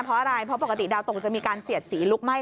เพราะอะไรเพราะปกติดาวตกจะมีการเสียดสีลุกไหม้